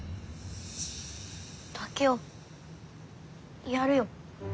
竹雄やるよ。